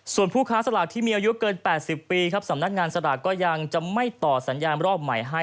ส่วนผู้ค้าสลากที่มีอายุเกิน๘๐ปีครับสำนักงานสลากก็ยังจะไม่ต่อสัญญาณรอบใหม่ให้